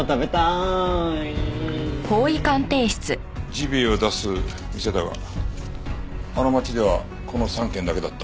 ジビエを出す店だがあの町ではこの３軒だけだった。